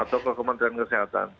atau ke kementerian kesehatan